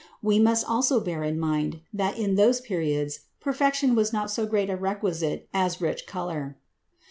We must also bear in mind that in those periods perfection was not so great a requisite as rich color.